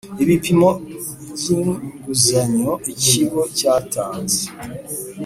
Ibipimo by inguzanyo ikigo cyatanze